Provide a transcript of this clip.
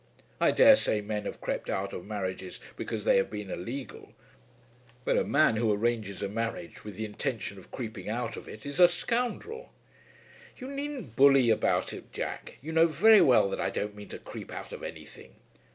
I dare say men have crept out of marriages because they have been illegal; but a man who arranges a marriage with the intention of creeping out of it is a scoundrel." "You needn't bully about it, Jack. You know very well that I don't mean to creep out of anything."